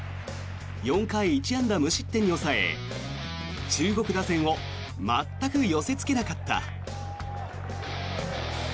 ４回１安打無失点に抑え中国打線を全く寄せつけなかった。